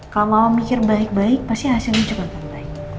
kalau mama mikir baik baik pasti hasilnya juga akan baik